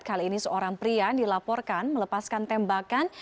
kali ini seorang pria dilaporkan melepaskan tembakan